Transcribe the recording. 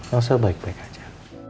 elsa baik baik aja